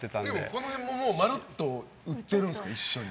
この辺もまるっと売ってるんですもんね、一緒に。